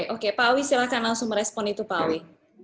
oke pak awi silahkan langsung merespon itu pak awi